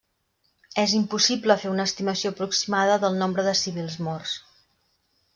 És impossible fer una estimació aproximada del nombre de civils morts.